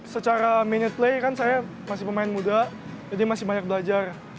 secara minute play kan saya masih pemain muda jadi masih banyak belajar